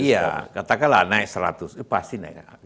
iya katakanlah naik seratus itu pasti naik